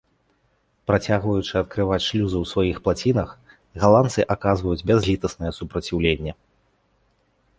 Працягваючы адкрываць шлюзы ў сваіх плацінах, галандцы аказваюць бязлітаснае супраціўленне.